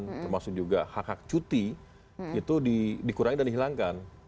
termasuk juga hak hak cuti itu dikurangi dan dihilangkan